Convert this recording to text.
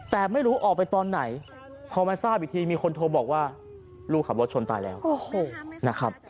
แต่ไม่รู้ออกไปตอนไหนพอมาทราบอีกทีมีคนโทรบอกว่าลูกขับรถชนตายแล้วนะครับ